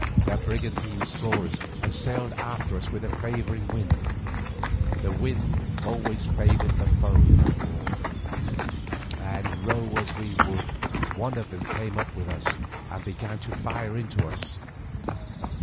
The brigantines saw us and sailed after us with a favouring wind—the wind always favoured the foe in that war—and row as we would, one of them came up with us and began to fire into us.